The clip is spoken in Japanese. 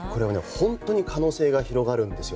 本当に可能性が広がります。